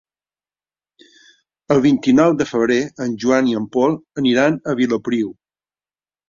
El vint-i-nou de febrer en Joan i en Pol aniran a Vilopriu.